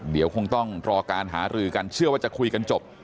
เดี๋ยวคงต้องรอการหารือกันเชื่อว่าจะคุยกันจบ